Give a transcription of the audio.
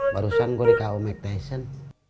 barusan gue di ku mike tyson